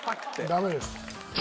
ダメです。